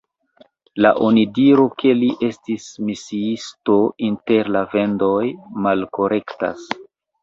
La onidiro ke li estis misiisto inter la Vendoj malkorektas.